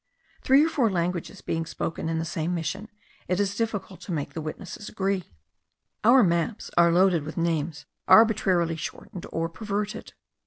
Three or four languages being spoken in the same mission, it is difficult to make the witnesses agree. Our maps are loaded with names arbitrarily shortened or perverted.